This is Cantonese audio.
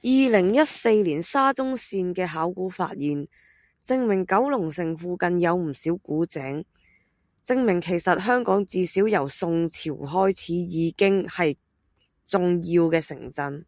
二零一四年沙中線嘅考古發現，證明九龍城附近有唔少古井，證明其實香港至少由宋朝開始已經係重要嘅城鎮